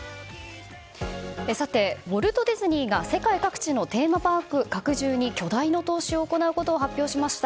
ウォルト・ディズニーが世界各地のテーマパーク拡充に巨大な投資を行うことを発表しました。